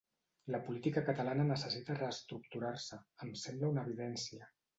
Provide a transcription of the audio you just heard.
La política catalana necessita reestructurar-se, em sembla una evidència.